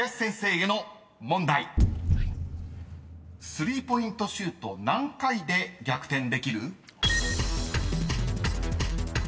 ［３ポイントシュート何回で逆転できる？］